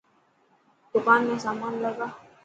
دڪان ۾ سامان لگا.